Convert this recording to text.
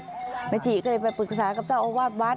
หน้าทีก็เลยไปปรึกษากับเจ้าอวาดวัด